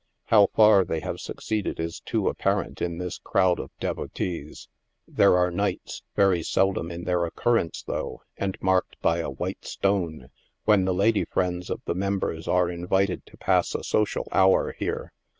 How far they have succeeded is too apparent in this crowd of devotees* There are nights — very seldom in their occurrence though, and marked by a white stone when the lady friends of the members are invited to pass a social hour here.